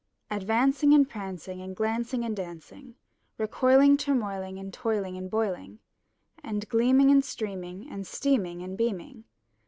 Advancing and prancing and glancing and dancing. Recoiling, turmoiling, and toiling and boiling. And gleaming and streaming and steaming and beaming.